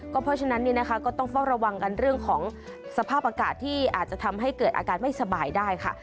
เพราะฉะนั้นก็ต้องเฝ้าระวังกันเรื่องของสภาพอากาศที่อาจจะทำให้เกิดอาการไม่สบายได้ค่ะ